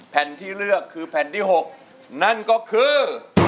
แผ่นที่เลือกคือแผ่นที่๖นั่นก็คือ